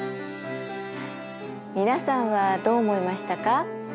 皆さんはどう思いましたか？